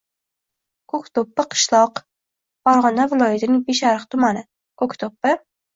Ko‘kdo‘ppi – qishloq, Farg‘ona viloyatining Beshariq tumani. Ko‘kdo‘ppi.